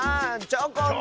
チョコン！